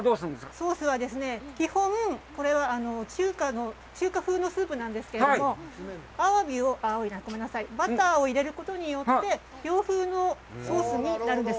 ソースは、基本、これは中華風のスープなんですけど、バターを入れることによって洋風のソースになるんです。